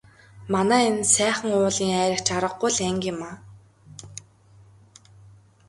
Манай энэ Сайхан уулын айраг ч аргагүй л анги юмаа.